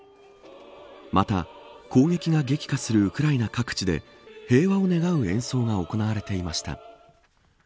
また、攻撃が激化するウクライナ各地で平和を願う演奏が行われていました。